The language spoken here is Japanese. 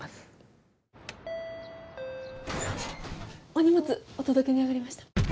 お荷物お届けに上がりました。